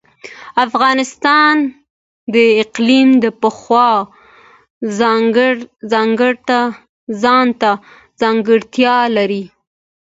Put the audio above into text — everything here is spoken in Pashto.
افغانستان د اقلیم د پلوه ځانته ځانګړتیا لري.